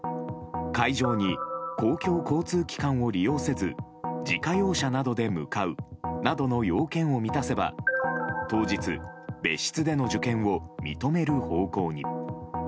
会場に公共交通機関を利用せず自家用車などで向かうなどの要件を満たせば当日、別室での受験を認める方向に。